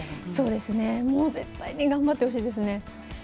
もう絶対に頑張ってほしいです。